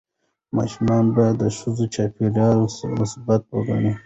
ماشوم باید د ښوونځي چاپېریال مثبت وګڼي.